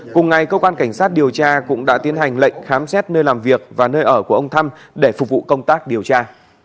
cùng ngày cơ quan cảnh sát điều tra cũng đã tiến hành lệnh khám xét nơi làm việc và nơi ở của ông thăm để phục vụ công tác điều tra